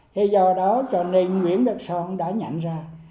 thế do đó cho nên nguyễn đức son đã nhận ra